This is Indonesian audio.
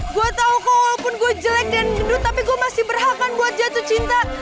gue tahu walaupun gue jelek dan lut tapi gue masih berhak kan buat jatuh cinta